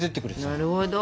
なるほど！